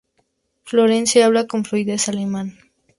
Florence habla con fluidez alemán.